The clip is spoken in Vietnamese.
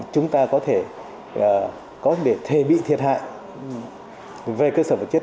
chúng ta có thể có thể thề bị thiệt hại về cơ sở vật chất